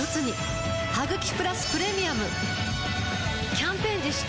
キャンペーン実施中